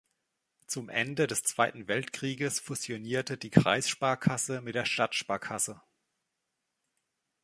Zum Ende des Zweiten Weltkrieges fusionierte die Kreissparkasse mit der Stadtsparkasse.